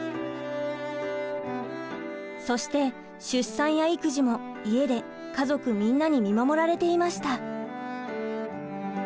そして出産や育児も家で家族みんなに見守られていました。